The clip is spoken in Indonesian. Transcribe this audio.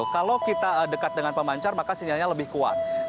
kalau kita dekat dengan pemancar maka sinyalnya lebih kuat